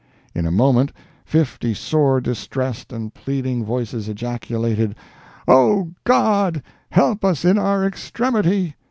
In a moment fifty sore distressed and pleading voices ejaculated, "O God! help us in our extremity!"